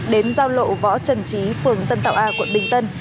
đến giao lộ võ trần trí phường tân tạo a quận bình tân